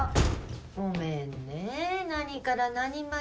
ごめんね何から何まで。